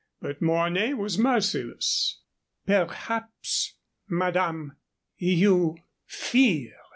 But Mornay was merciless. "Perhaps, madame, you fear!"